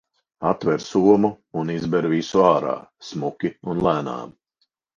Atver somu un izber visu ārā, smuki un lēnām.